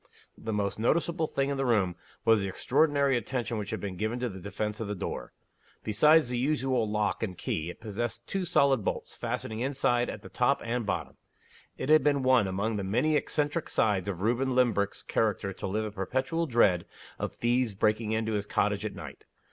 The most noticeable thing in the room was the extraordinary attention which had been given to the defense of the door. Besides the usual lock and key, it possessed two solid bolts, fastening inside at the top and the bottom. It had been one among the many eccentric sides of Reuben Limbrick's character to live in perpetual dread of thieves breaking into his cottage at night.